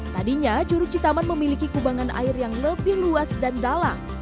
tadinya curug citaman memiliki kubangan air yang lebih luas dan dalang